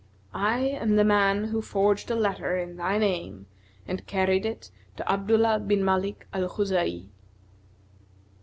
I am the man who forged a letter in thy name and carried it to Abdullah bin Malik al Khuza'i."